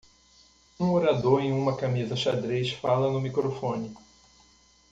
Um orador em uma camisa xadrez fala no microfone.